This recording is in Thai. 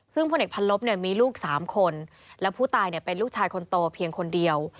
ซึ่งพลเอกพันลบมีลูก๓คนและผู้ตายเป็นลูกชายคนโตเพียงคนเดียว